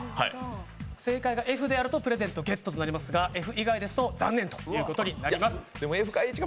正解がＦだとプレゼントゲットですがＦ以外だと残念ということになります。